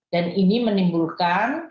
dan ini menimbulkan